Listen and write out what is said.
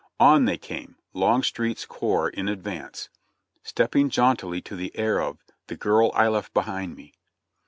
On they came, Longstreet's corps in advance, stepping jauntily to the air of "The girl I left behind me."